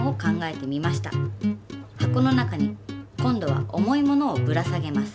箱の中に今度は重いものをぶら下げます。